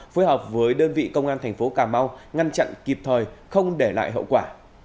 phối hợp với đơn vị công an thành phố cà mau ngăn chặn kịp thời không để lại hậu quả